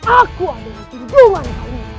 aku adalah cendungan kalian